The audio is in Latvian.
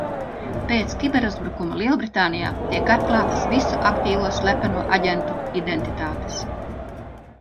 Pēc kiberuzbrukuma Lielbritānijā tiek atklātas visu aktīvo slepeno aģentu identitātes.